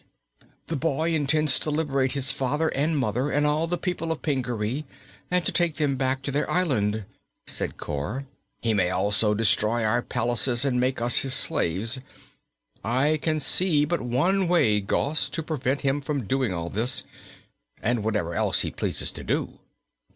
"The boy intends to liberate his father and mother, and all the people of Pingaree, and to take them back to their island," said Cor. "He may also destroy our palaces and make us his slaves. I can see but one way, Gos, to prevent him from doing all this, and whatever else he pleases to do."